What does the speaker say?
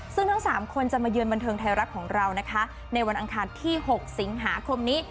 ซึ่งทั้ง๓คนจะมาเยือนบันเทิงไทยรัฐของเรานะคะในวันอังคารที่๖สิงหาคมนี้